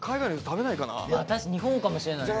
日本かもしれないですね。